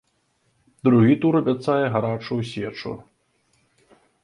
Другі тур абяцае гарачую сечу.